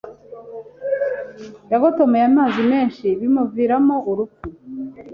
yagotomeye amazi menshi bimuviramo urupfu